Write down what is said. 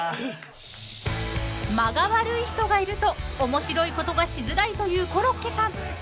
［間が悪い人がいると面白いことがしづらいというコロッケさん］